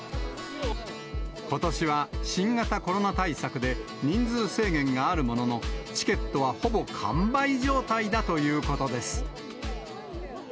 ことしは新型コロナ対策で、人数制限があるものの、チケットはほぼ完売状態だということです。